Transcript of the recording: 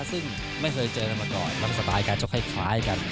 ซึ่งไม่เคยเจอกันมาก่อนบางสไตล์การชกคล้ายกัน